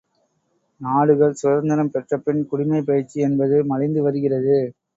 நாடுகள் சுதந்திரம் பெற்றபின் குடிமைப் பயிற்சி என்பது மலிந்து வருகிறது.